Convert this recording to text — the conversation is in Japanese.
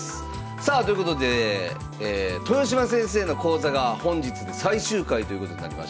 さあということで豊島先生の講座が本日で最終回ということになりました。